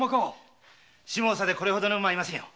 下総でこれほどの馬はいませんよ。